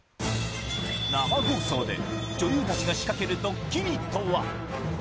生放送で女優たちが仕掛けるドッキリとは？